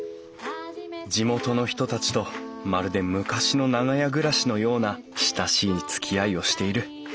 地元の人たちとまるで昔の長屋暮らしのような親しいつきあいをしている。